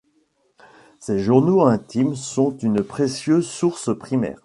Ses journaux intimes sont une précieuse source primaire.